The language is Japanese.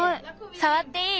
さわっていい？